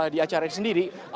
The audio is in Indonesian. di acara ini sendiri